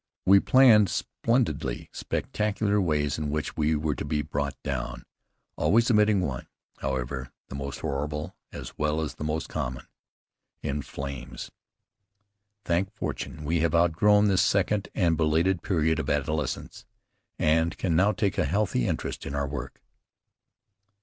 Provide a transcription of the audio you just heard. We planned splendidly spectacular ways in which we were to be brought down, always omitting one, however, the most horrible as well as the most common, in flames. Thank Fortune, we have outgrown this second and belated period of adolescence and can now take a healthy interest in our work.